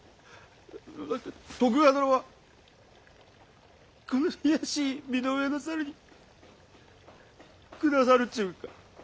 あ徳川殿はこの卑しい身の上の猿に下さるっちゅんか？